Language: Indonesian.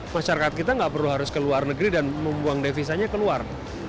masyarakat kita nggak perlu harus ke luar negeri dan membuang devisanya keluar